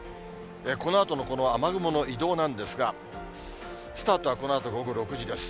このあとのこの雨雲の移動なんですが、スタートはこのあと午後６時です。